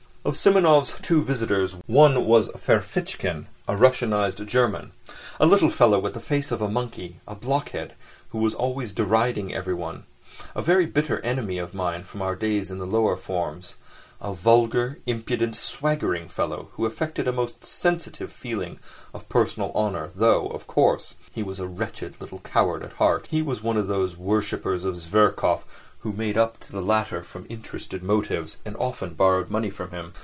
Of Simonov's two visitors, one was Ferfitchkin, a Russianised German—a little fellow with the face of a monkey, a blockhead who was always deriding everyone, a very bitter enemy of mine from our days in the lower forms—a vulgar, impudent, swaggering fellow, who affected a most sensitive feeling of personal honour, though, of course, he was a wretched little coward at heart. He was one of those worshippers of Zverkov who made up to the latter from interested motives, and often borrowed money from him.